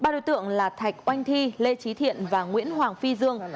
ba đối tượng là thạch oanh thi lê trí thiện và nguyễn hoàng phi dương